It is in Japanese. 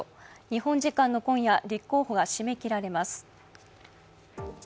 日本時間の今夜、立候補が締め切られます。